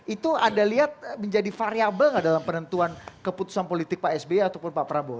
itu anda lihat menjadi variable nggak dalam penentuan keputusan politik pak sby ataupun pak prabowo